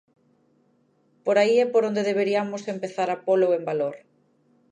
Por aí é por onde deberiamos empezar a pólo en valor.